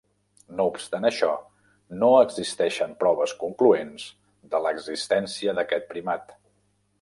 No obstant això, no existeixen proves concloents de l'existència d'aquest primat.